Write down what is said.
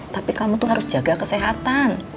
tapi kamu tuh harus jaga kesehatan